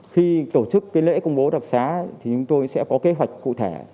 khi tổ chức lễ công bố đặc xá thì chúng tôi sẽ có kế hoạch cụ thể